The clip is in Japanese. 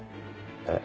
えっ？